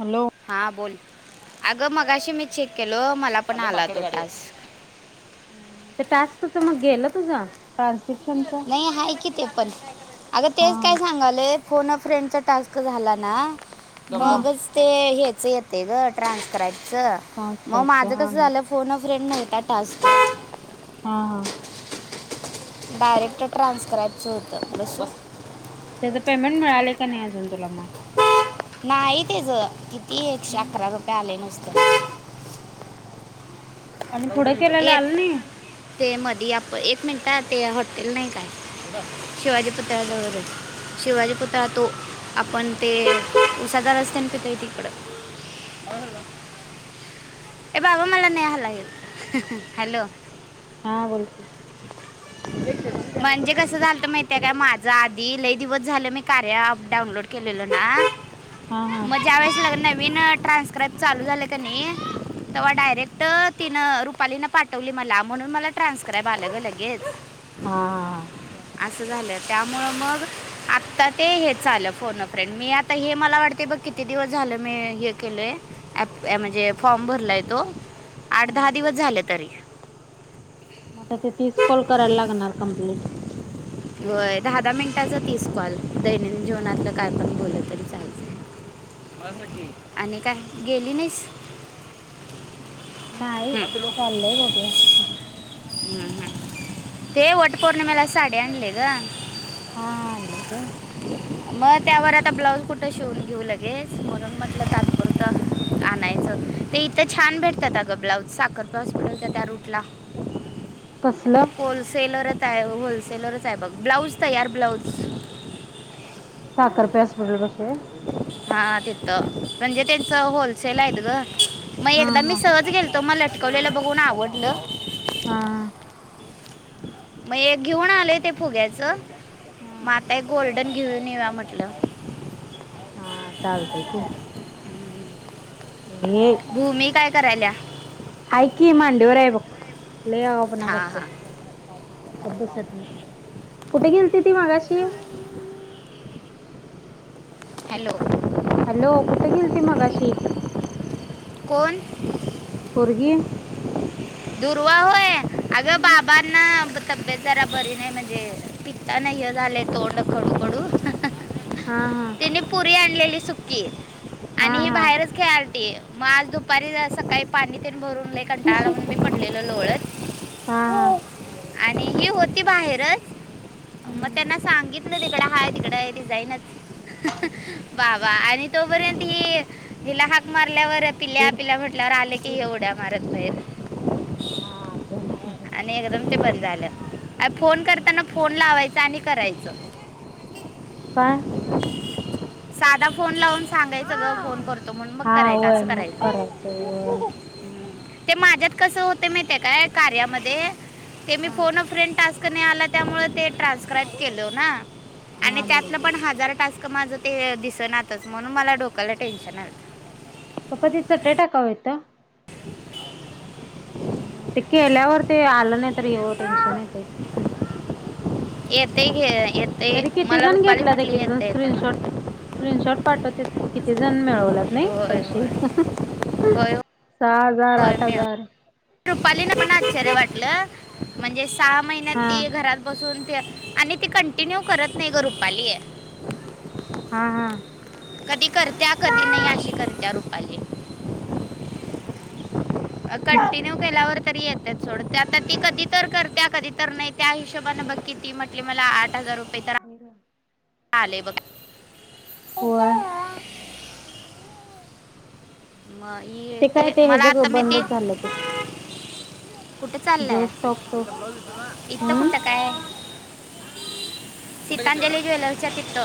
Hello. हा बोल. अगं मगाशी मी चेक केलो मला पण आला तो टास्क. टास्कच मग गेलं तुझा ट्रान्स नाही हाय कि ते. पण अग तेच काय हा सांगालय फोन फ्रेंडचा टास्क झाला ना. मगच ते हच येते ग ट्रान्सकराय चं मग माझ ट्रान्स्क्राबचा हा कसं झालं फोन फ्रेंड नव्हता टास्क. हा. डायरेक्ट ट्रान्स्क्राबचं होतं बसव. त्याचं पेमेंट मिळाले का नाही अजून तुला मग. नाही तेच किती एकशे अकरा रुपये आले नुसतं. आणि पुढं केलेयला येत आलं नाही. ते मधी आप एक मिनिट ते हॉटेल नाही काय शिवाजी पुतळ्याजवळ रे. शिवाजी पुुतळा तो आपण ते उसाचा रस तेन पीतोय तिकडं. ए बाबा मला नेहाला ये हॅलो हा बोल कि. [inaudible] म्हणजे कसं झालंत माहितय काय माझं आधी लही दिवस झालं मी कार्य अप डाउनलोड केलेल ना. हा हा. मगज्या वेळेसग नवीन ट्रान्स्क्राप चालू झालं कनी तव्हा हम्म. डायरेक्ट तीन रुपालीना पाठवली मला म्हणून मला ट्रान्सक्राईब आलं ग लगेच हा हा चालेल. असं झालं. त्यामुळे मग आता ते हेच आलं. फोन व फ्रेंड मी आता हे मला वाटतय बघ किती दिवस मी हे केलंय म्हणजे फॉर्म भरलाय तो. आठ-दहा दिवस झाले तरी. आता ते तीस कॉल करायला लागणार कम्प्लीट. व्हय, दहा-दहा मिनिटाच तीस कॉल. दैनंदिन हा. जीवनातलं काय पण बोलायचं. जायचय. आणि काय गेली नाहीस? [inaudible] नाही हम्म. चाललंय बघूया. हम्म, हम्म, ते वट पौर्णिमेला साडी आणलीया ग. हा आणल्यात होय. मग त्यावर आता ब्लाऊज कुठं शिवून घेऊ लगेच. म्हणून म्हटलं तात्पुरत आणायचं ते इथं छान भेटतात. आग. ब्लाउज साखरपे हॉस्पिटलच्या त्या रूटला कसलं? होलसेलच होलसेलरच आहे बघ. ब्लाऊज तयार ब्लाऊज. साखरपे हॉस्पिटल पाशी होय. हा तिथं, म्हणजे त्यांच होलसेल आहेत ग. मग हा एकदा मी हा सहज गेलतो. मग लटकवलेला बघून आवडलं. हा मग एक घेऊन आलय ते फुग्याचं. हा. मग आता एक गोल्डन घेऊन येऊया म्हटलं. हा चालतंय की. हे भूमी काय करायल्या? हाय की मांडीवर हाय बघ. लय आगाऊपणा हां करत्या हां गप्प बसत नाही. कुठे गेलती ती मगाशी? [unintelligible] हॅलो. हॅलो कुठे गेलती मगाशी कोण? पोरगी. दुर्वा होय, अगं हम्म बाबांना तब्येत जरा बरी नाही म्हणजे. पित्तान हे झालंय तोंड कडू-कडू हा हा तिने पुरी आणलेली सुकी. आणि हा ही हा बाहेरच खेळा लती. ते मग आज दुपारी सकाळी पाणी पण, पाणी भरून लई शी कंटाळाला शी आला म्हणून हा पडलेलं लोळत. हा आणि ही होती बाहेरच. मग हम्म त्यांना सांगितलं तिकडं हाय तिकडं ती जाईनच. बाबा, आणि तोपर्यंत ही तो हीला हाक मारल्यावर दीड पिल्या-पिल्या म्हटल्यावर आले दीड की उड्या मारत बाहेर. आणि हा. ते बंद झालं. फोन करताना फोन लावायचा आणि करायच. काय साधा फोन लावून सांगायचं ग फोन करतो म्हणून. मग हा करायचं होय असं मग करायचं. होय ते माझ्यात कसं होतंय माहित काय. कार्यामध्ये ते मी हा फोन व फ्रेंड टास्क कणी आला की नाही त्यामुळे ट्रान्सक्राईट किलो ना. आणि हा त्यातनं बरोबर पण हजार टास्क माझं ते दिसणातच. म्हणून मला डोकायला टेन्शन आलय. पप्पा ती चटई टाका वो इथं. ते केल्यावर ते आलं नाही तर येव टेन्शन येतंय. येतेय घे. येते तरी किती मला जण रुपाली घेतल्यात म्हटली एक-एक जण येते येते म्हणून. स्क्रीनशॉट-स्क्रीनशॉट पाठवतात. की किती जण मिळवतात. नाही होय पैसे. होय होय सहा हजार, आठ हजार. रुपालीला पण आश्चर्य वाटलं. म्हणजे सहा महिन्यात हा ती घरात बसून आणि ती कंटिन्यू करत नाही ग रुपाली. हा हा. कधी करत्या कधी नाही अशी करत्या रुपाली. कंटिन्यू केल्यावर तरी येतेच थोड ते आता ती कधी तर करत्या कधी तर नाही त्या हिशोबानें बघकी ती म्हटली मला आठ हजार रुपये तर आले बघ. होय माही ते यते काय ते मला हेज आता मी ते बंदच झालं कुठ जिओ चालय स्टॉकच इथ हम्म कुठ काय? सीतांजली ज्वेलरीच्या तित्त.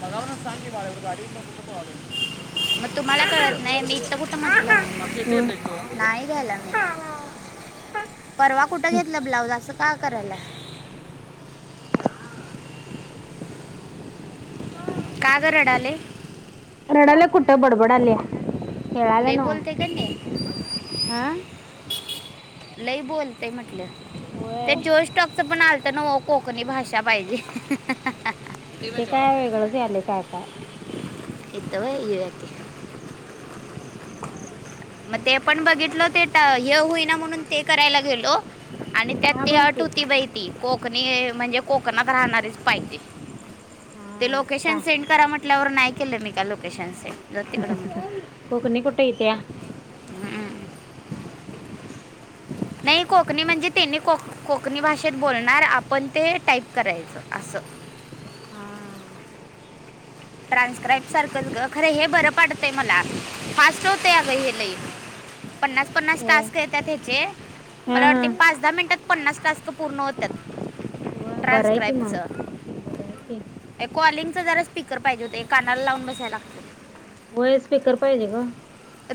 सांग बा गाडी [unintelligible] तुम्हाला कळत नाही मी इ कुठं म्हटलं होय. नाही घ्यायला मी. परवा कुठं घेतलं ब्लाउज असं का करायला. कागरडालेे. बडबडल्या. ल बोलते कनी. हा. लई बोलतय म्हटलं ते व्हय. जोश टॉकचं पण आलत ना. कोकणी भाषा पाहिजे. ती नाही ते जेवायला काय वेगळंच आले काय काय? इतव ये आहेेत. मग ते पण बघितल ते हे होईना म्हणून ते करायला गेलो. आणि त्यात हा ती बोल अट की. होती बहि तती कोकणी म्हणजे कोकणात राहणारीच पाहिजे. ते हा लोकेशन काय सेंड करा म्हटल्यावर नाही केलं मी का लोकेशन सेंड ज तिकड म्हटलं. मोठयत्या [unintelligible] हम्म. नाही कोकणी म्हणजे त्यांनी कोकणी भाषेत बोलणार आपण ते टाईप करायचं असं. [inaudible] हा. ट्रान्स्क्राईब सारखंच ग खरं हे बरं पाडतंय मला. फास्ट होत अग हे लई पन्नास पन्नास होय. टास्क येतात हाचे. हा मला हा वाटते पाच दहा मिनिटात पन्नास तासक पूर्ण होतात. हो बरय कि मग बरय. कॉलिंग च जरा स्पीकर पाहिजे होते कानाला लावून बसायला लागतय. य स्पीकर पायजे ग.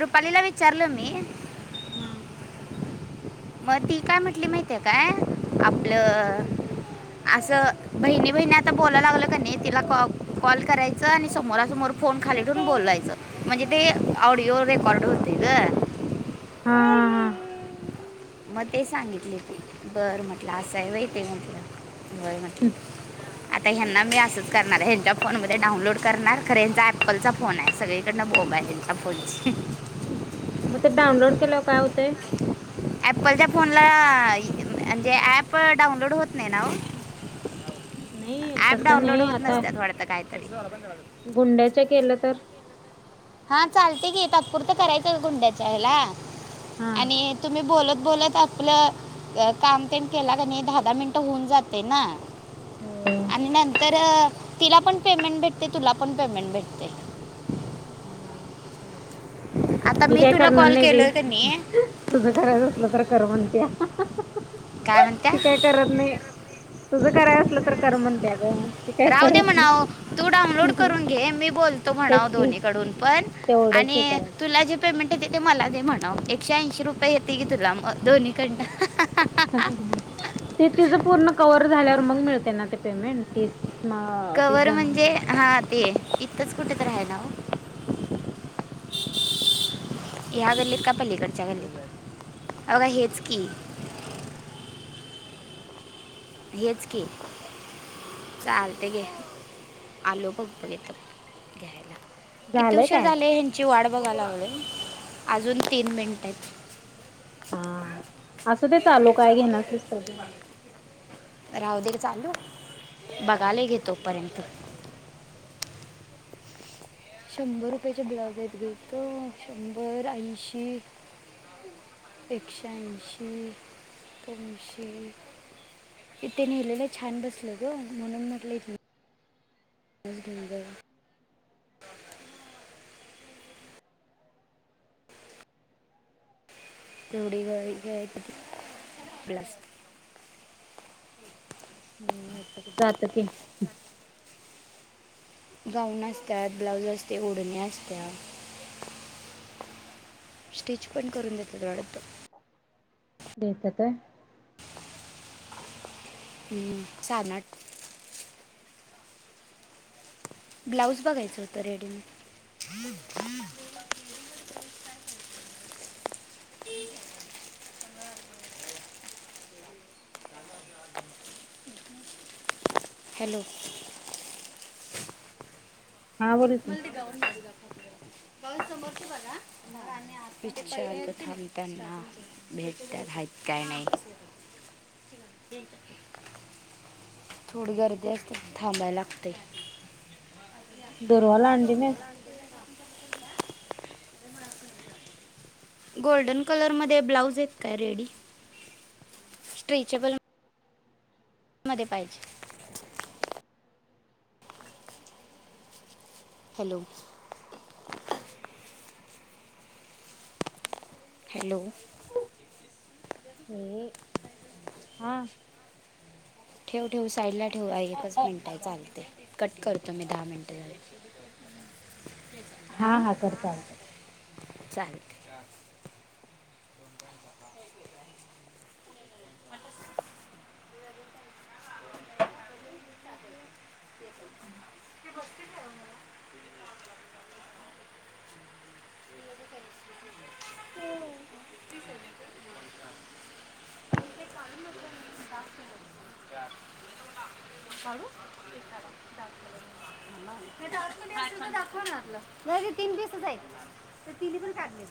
रुपालीला विचारलो मी. हा मग ती काय म्हटली माहितीे काय हा आपलं असं बहिणी बहिणी आता बोला लागलं का नाही तिला कॉल करायचं आणि समोरासमोर फोन खाली ठेवून बोलायचं म्हणजे ते ऑडिओ रेकॉर्ड होतंय ग. हा मग ते सांगितले ते बर म्हटलं असं व्हय ते म्हटलं. व्हय म्हटली. आता ह्यांना मी असंच करणार हच्या फोन मध्ये डाऊनलोड करणार खरे यांचा अपल चा फोने सगळीकडनं मॅच्या पडची [unintelligible] मग ते डाउनलोड केलंव काय होते? अपलच्या फोनला म्हणजे ऍप डाउनलोड होत नाही नाव. नाही ह [inaudible] ऍप तसं डाऊनलोड नाही होत आता नसत वाटत काहीतरी. गुंड्याच्या केलं तर हा चालते की तातपुरत करायचं गुंड्याच्या हला हा आणि तुम्ही बोलत बोलत आपलं काम ते केला का नाही दहा दहा मिनटं होऊन जाते ना. होय आणि नंतर तिला पण पेमेंट भेटते तुला पण पेमेंट भेटते. हम चालत. आता मी काय तुला करणार कॉल नाही बाई. केलोय का नाही तुझ करायच असलं तर कर म्हणत्या. काय म्हणत्या ती काय करत नाही. तुझं करायच असलं तर कर म्हणत्या ग. ती काय राह दे करत नाही म्हणाव. तू डाऊनलोड करून घे मी बोलतो म्हणाव. तेच की कडून पण तेवढंच हे आणि करायचं तुला जे पेमेंट ते मला दे म्हणाव. एकशे ऐंशी रुपये येते की तुला. दोन्ही कंडन. ते तिचं पूर्ण कवर झाल्यावर मग मिळते ना ते पेमेंट तीस? म तीस कवर म्हणजे जणांचं हा ते इथंच कुठेेत राहायला हो. हम्म [unintelligible] ह्या गल्लीत का पल्लीकडच्या गल्ली हे बघा हेच की. हेच की चालतय घे आलो. किती झालंय उशीर काय झाले हेची वाट बघायलागलोय अजून तीन मिनट आहेत. हा असं ते चालू काय घेणार असलीस तर घे राहुदे चालू. हा बघायले घे तोपर्यंत. शंभर रुपयाचे ब्लाउज आहेत. गे त शंभर, ऐंशी. हम. एकश्याऐंशी, दोनशे. इथन नेलेलं छान बसलं ग. म्हणून म्हटलं एक घेऊन जाऊया. जडी का [unintelligible] जातो की. गाऊन असत्यात. ब्लाऊज असते, ओढणे असत्या. स्टीच पण करून देतात वाढत. देेतात काय. सानाठ. ब्लाऊज बघायचं होतं रेडीमेड. आ. ह [unintelligible] हॅलो. हा बोल की मलाल ते गाऊन जरा दाखवा. विचारतो थांब त्यांना भेटत्या काय. काय नाही. थोडी गर्दी असते. थांबायला लागतय. दुरवाला आणंडी नाहीस.. गोल्डन कलर मध्ये ब्लाऊज य काय रेडी स्ट्रेचेबल. मध्ये पाहिजे. हॅलो. हॅलो. ह हा. ठेव-ठेव साईडला ठेवू एकच मिनट आहे चालतय कट करतो मी दहा मिनिट झाले. ह. हा हा कर चालतय. चालतय. [unintelligible] [unintelligible] [unintelligible] ते बसते का, ओ मला? [unintelligible] [unintelligible] [unintelligible] हा [inaudible] आ. हळू [unintelligible] ते तीन दिसाच ये ते तिनी पण काढले.